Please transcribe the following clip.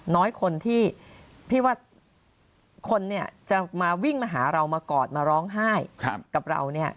น้อยคนที่พี่ว่าคนเนี่ยจะมาวิ่งมาหาเรามากอดมาร้องไห้กับเราเนี่ย